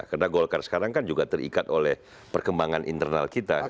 karena golkar sekarang kan juga terikat oleh perkembangan internal kita